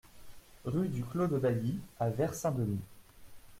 Rue du Clos de Bailly à Vert-Saint-Denis